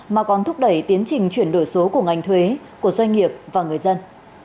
mà còn thúc đẩy tiến trình chuyển đổi số của ngành thuế của doanh nghiệp và người dân